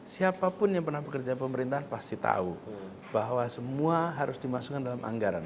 siapapun yang pernah bekerja pemerintahan pasti tahu bahwa semua harus dimasukkan dalam anggaran